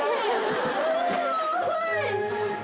すごい！